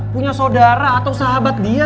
punya saudara atau sahabat dia